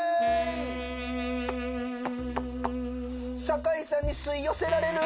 酒井さんにすいよせられる！